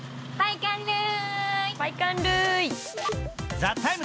「ＴＨＥＴＩＭＥ，」